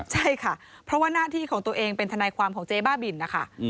ใช่ค่ะเพราะว่าหน้าที่ของตัวเองเป็นทนายความของเจ๊บ้าบินนะคะ